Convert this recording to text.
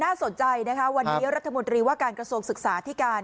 สนใจนะคะวันนี้รัฐมนตรีว่าการกระทรวงศึกษาที่การ